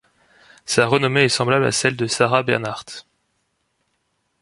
Sa renommée est semblable à celle de Sarah Bernhardt.